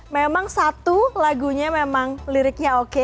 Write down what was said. memang satu lagunya memang liriknya oke